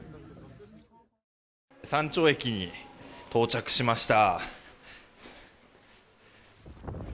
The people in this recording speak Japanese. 山頂駅に到着しました。